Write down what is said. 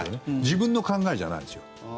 自分の考えじゃないですよ